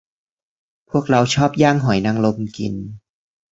พวกเราชอบย่างหอยนางรมกิน